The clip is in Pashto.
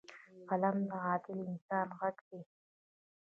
قلم د عادل انسان غږ دی